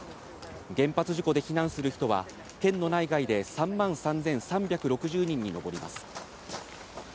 原発事故で避難する人は県の内外で３万３３６０人に上ります。